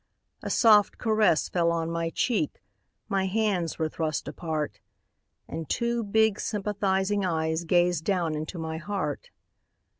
A soft caress fell on my cheek, My hands were thrust apart. And two big sympathizing eyes Gazed down into my heart.